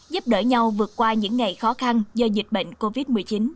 giúp đỡ nhau vượt qua những ngày khó khăn do dịch bệnh covid một mươi chín